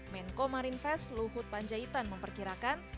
menko marinvest luhut panjaitan memperkirakan